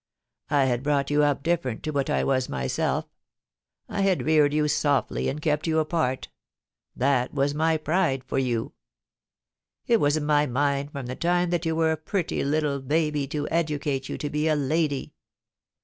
I had brought you up different to what I wa.s myself. I had reared you softly and kept you apart ; that was my pride for you. It was in my mind from the time that you were a pretty little baby to educate you to be a lady.